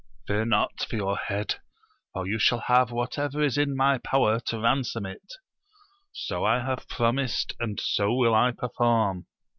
Fear not for your head, for you shall have whatever is in my power to ransom it : so I have pro mised, and so will I perform.